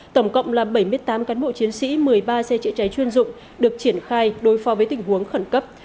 tổng cộng là bảy mươi tám cán bộ chiến sĩ một mươi ba xe chữa cháy chuyên dụng được triển khai đối phó với tình huống khẩn cấp